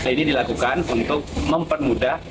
ini dilakukan untuk mempermudah